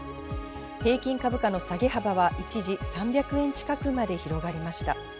平均株価の下げ幅は一時３００円近くまで広がりました。